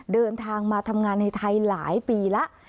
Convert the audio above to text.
เดินทางมาทำงานในไทยหลายปีแล้ว